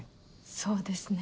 そうですね。